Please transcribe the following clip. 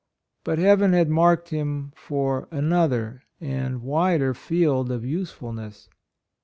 But heaven had marked him for another and wider field of usefulness.